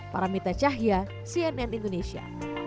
paramita cahya cnn indonesia